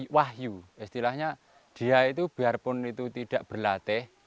itu kewahyu istilahnya dia itu biarpun itu tidak berlatih